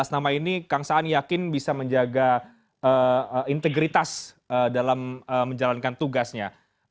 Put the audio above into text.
lima belas nama ini kang saan yakin bisa menjaga integritas dalam menjalankan tugasnya